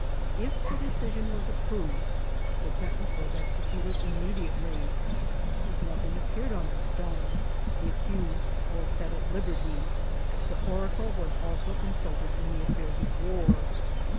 If the decision was approved, the sentence was execu ted immediately ; if nothing appeared on the stone, the accused was set at liberty. This oracle was also con sulted in the affairs of war.